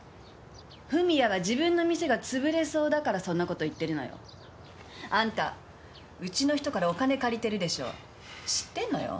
史也は自分の店が潰れそうだからそんなこと言ってるのよあんたうちの人からお金借りてるでしょう知ってんのよ